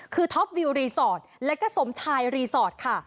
คือท็อปวิวรีสอร์ทแล้วก็สมชายรีสอร์ทค่ะ